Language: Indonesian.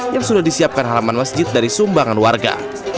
yang sudah disiapkan halaman masjid dari sumbangan warga